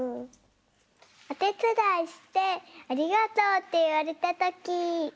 おてつだいして「ありがとう」っていわれたとき。